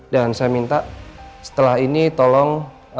dan saya minta setelah ini tolong